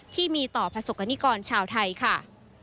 ที่มีต่อประสบกรณิกรชาวไทยค่ะ